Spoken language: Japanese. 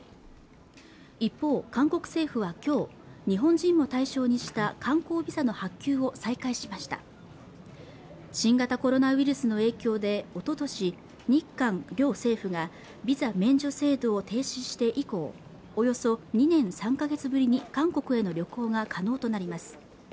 一方韓国政府はきょう日本人も対象にした観光ビザの発給を再開しました新型コロナウイルスの影響でおととし日韓両政府がビザ免除制度を停止して以降およそ２年３か月ぶりに韓国への旅行が可能となります